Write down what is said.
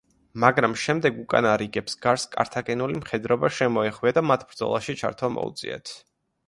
მაგრამ შემდეგ უკანა რიგებს გარს კართაგენული მხედრობა შემოეხვია და მათ ბრძოლაში ჩართვა მოუწიათ.